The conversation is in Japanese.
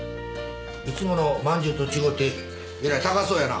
いつものまんじゅうと違うてえらい高そうやな。